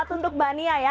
untuk mbak nia ya